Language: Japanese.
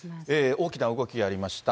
大きな動きがありました。